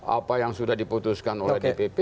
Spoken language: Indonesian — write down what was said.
apa yang sudah diputuskan oleh dpp